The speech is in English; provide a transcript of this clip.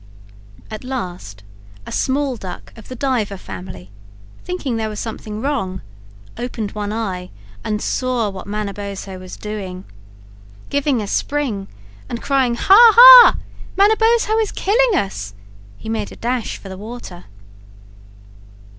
At last a small duck of the diver family, thinking there was something wrong, opened one eye and saw what Manabozho was doing. Giving a spring, and crying: "Ha ha a! Manabozho is killing us!" he made a dash for the water.